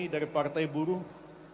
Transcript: dari partai buruh